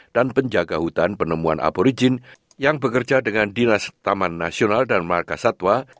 dan penjaga hutan penemuan aborigin yang bekerja dengan dinas taman nasional dan markasatwa